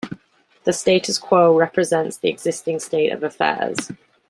The status quo represents the existing state of affairs.